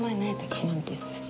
カマンティスです。